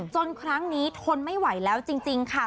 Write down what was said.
ครั้งนี้ทนไม่ไหวแล้วจริงค่ะ